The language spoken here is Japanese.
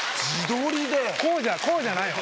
こうじゃないよ